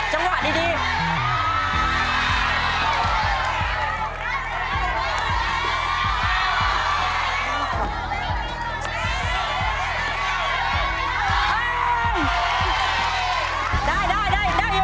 เร็วลูกเร็วเร็วเร็วเร็ว